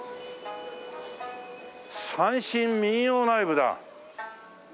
「三線民謡ライブ」だ。